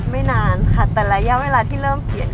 ไม่นานค่ะแต่ระยะเวลาที่เริ่มเขียน